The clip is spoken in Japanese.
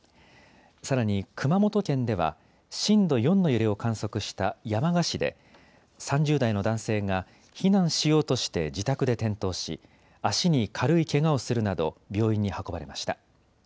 さらに、熊本県では、震度４の揺れを観測した山鹿市で、３０代の男性が避難しようとして自宅で転倒し、足に軽いけがをするなど、病院に運ばれました。